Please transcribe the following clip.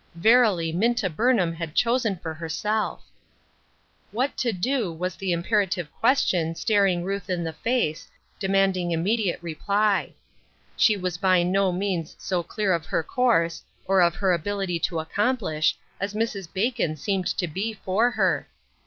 Verily, Minta Burnham had chosen for herself ! What to do was the imperative question staring Ruth in the face, demanding immediate reply. She was by no means so clear of her course, or of her ability to accomplish, as Mrs. Bacon seemed to be for her.